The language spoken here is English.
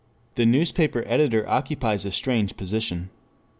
The newspaper editor occupies a strange position.